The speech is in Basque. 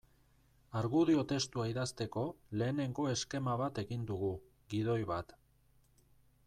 Argudio testua idazteko lehenengo eskema bat egin dugu, gidoi bat.